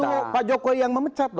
jangan dengan pak jokowi yang memecat